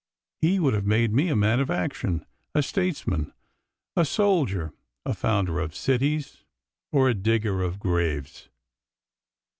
He would have made me a man of action, a statesman, a soldier, a founder of cities or a digger of graves.